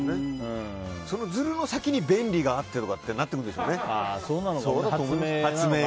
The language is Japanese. そのずるの先に便利があってってなってくるんでしょうね。